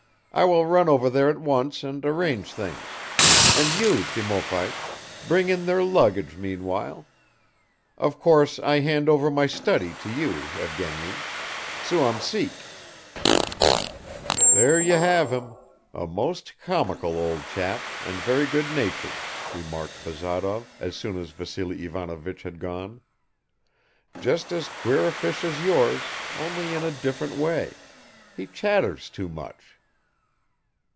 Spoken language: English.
. I will run over there at once and arrange things; and you, Timofeich, bring in their luggage meanwhile. Of course I hand over my study to you, Evgeny. Suum cuique." "There you have him! A most comical old chap and very good natured," remarked Bazarov, as soon as Vassily Ivanovich had gone. "Just as queer a fish as yours, only in a different way. He chatters too much."